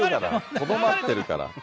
とどまってるから。